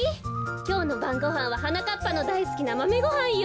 きょうのばんごはんははなかっぱのだいすきなマメごはんよ。